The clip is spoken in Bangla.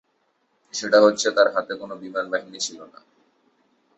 সেটা হচ্ছে তার হাতে কোনো বিমানবাহিনী ছিল না।